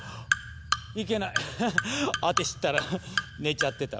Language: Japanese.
いけないアテシったら寝ちゃってたわ。